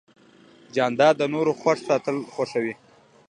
جانداد د نورو خوښ ساتل خوښوي.